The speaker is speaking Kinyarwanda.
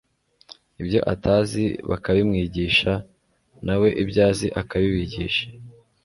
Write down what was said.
Ibyo atazi bakabimwigisha na we ibyo azi akabibigisha